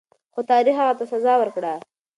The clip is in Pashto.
خو تاریخ هغه ته سزا ورکړه.